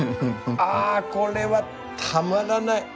あこれはたまらない！